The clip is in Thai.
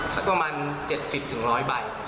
ประมาณ๗๐๑๐๐ใบ